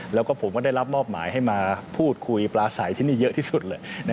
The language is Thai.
แล้วก็ผมก็ได้รับมอบหมายให้มาพูดคุยปลาใสที่นี่เยอะที่สุดเลย